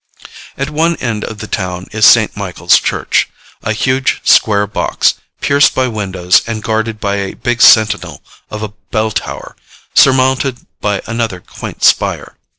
At one end of the town is St. Michael's church a huge, square box, pierced by windows, and guarded by a big sentinel of a bell tower, surmounted by another quaint spire.